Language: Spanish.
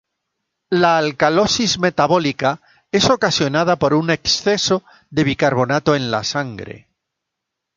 La alcalosis metabólica es ocasionada por un exceso de bicarbonato en la sangre.